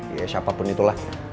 ya siapapun itulah